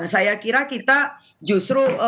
saya kira kita justru